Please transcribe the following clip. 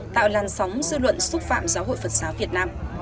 tạo làn sóng dư luận xúc phạm giáo hội phật giáo việt nam